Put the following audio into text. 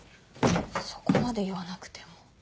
そこまで言わなくても。